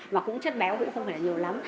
và cũng chất béo cũng không phải là nhiều lắm